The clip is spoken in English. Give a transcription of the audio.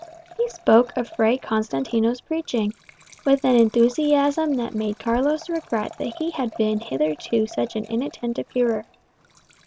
He spoke of Fray Constantino's preaching, with an enthusiasm that made Carlos regret that he had been hitherto such an inattentive hearer.